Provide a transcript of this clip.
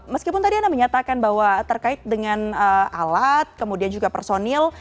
meskipun tadi anda menyatakan bahwa terkait dengan alat kemudian juga personil